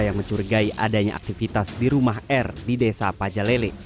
yang mencurigai adanya aktivitas di rumah r di desa pajalele